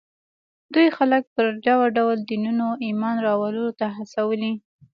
دوی خلک پر ډول ډول دینونو ایمان راوړلو ته هڅولي